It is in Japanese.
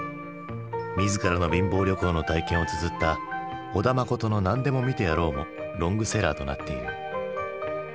自らの貧乏旅行の体験をつづった小田実の「何でも見てやろう」もロングセラーとなっている。